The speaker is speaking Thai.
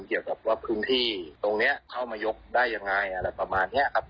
คำว่าอุดมการมันถดถอยไปเยอะมาก